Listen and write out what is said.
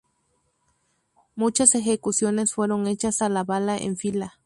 Muchas ejecuciones fueron hechas a la "bala en fila".